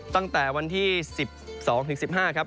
ตั้งแต่วันที่๑๒ถึง๑๕ครับ